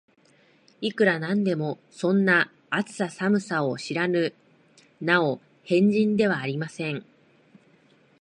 いくら何でも、そんな、暑さ寒さを知らぬお変人ではありません